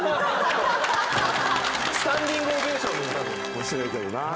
面白いけどな。